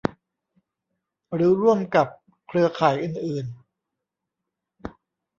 หรือร่วมกับเครือข่ายอื่นอื่น